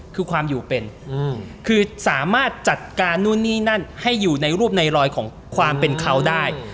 คือความอยู่เป็นคือสามารถจัดการนู่นนี่นั่นให้อยู่ในรูปในรอยของความเป็นเขาได้